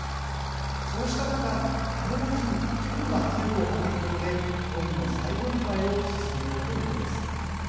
そうした中金持ちに寄付の圧力をかけることで富の再分配を進めようというのです。